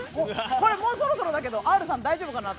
「もうそろそろだけどＲさん大丈夫かな？